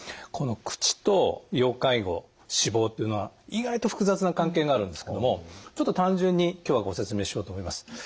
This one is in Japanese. この口と要介護死亡っていうのは意外と複雑な関係があるんですけどもちょっと単純に今日はご説明しようと思います。